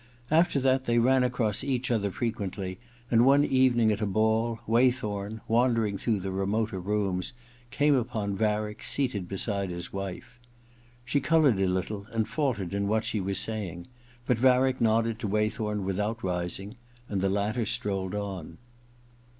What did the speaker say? After that they ran across each other frequently, and one evening at a ball Waythorn, wandering through the remoter rooms, came upon Varick seated beside his wife. She coloured a little, and faltered in what she was saying ; but Varick nodded to Waythorn without rising, and the latter strolled on.